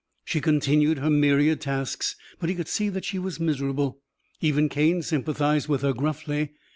She continued her myriad tasks, but he could see that she was miserable. Even Cane sympathized with her gruffly.